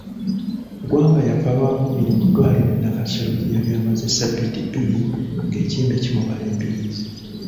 Gwanga yafa Lwakubiri mu ddwaliro e Nakasero gyeyali amaze ssabbiiti bbiri ng'ekimbe kimubala embiriizi.